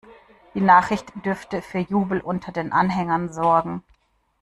Die Nachricht dürfte für Jubel unter den Anhängern sorgen.